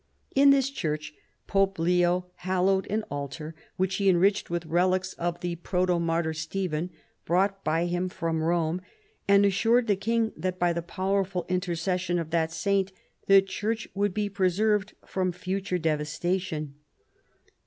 In this church Pope Leo hallowed an altar, which he enriched with relics of the protomartyr Stephen brought by him from Rome, and assured the king that by the powerful intercession of that saint the church would be preserved from future devastation.